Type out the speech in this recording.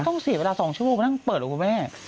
ตั้งเสียเวลาสองชั่วนะก็นั่งเปิดหรอคุณแม่